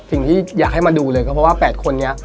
สิ่งที่อยากให้มาดูเลยคือว่า๘คนนี้